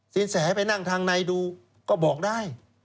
สินแสไปนั่งทางในดูก็บอกได้